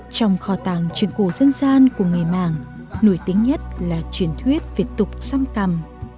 trong kho tàng chuyện cổ dân gian của người mạng nổi tiếng nhất là truyền thuyết về tục xăm cằm